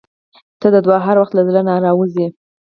• ته د دعا هر وخت له زړه نه راووځې.